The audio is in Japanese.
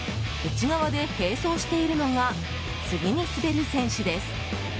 内側で並走しているのが次に滑る選手です。